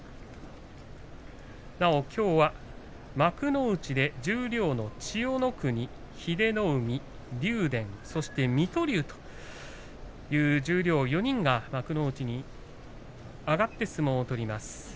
なお、きょうは幕内で十両の千代の国、英乃海竜電、水戸龍という４人が幕内に上がって相撲を取ります。